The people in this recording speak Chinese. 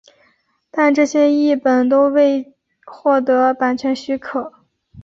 但这些译本都未获版权许可。